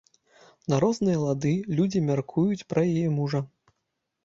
На розныя лады людзі мяркуюць пра яе мужа.